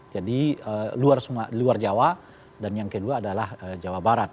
jadi luar jawa dan yang kedua adalah jawa barat